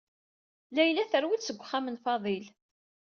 Layla terwel seg uxxam n Fadil.